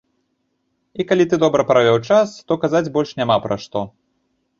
І калі ты добра правёў час, то казаць больш няма пра што.